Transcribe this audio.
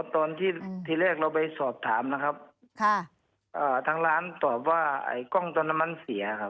ตอนที่ทีแรกเราไปสอบถามนะครับค่ะอ่าทางร้านตอบว่าไอ้กล้องตอนนั้นมันเสียครับ